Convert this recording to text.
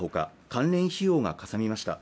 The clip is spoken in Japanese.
関連費用がかさみました。